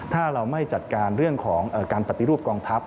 ถ้าเราไม่จัดการเรื่องของการปฏิรูปกองทัพ